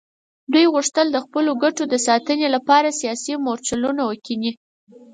دوی غوښتل د خپلو ګټو د ساتنې لپاره سیاسي مورچلونه وکیني.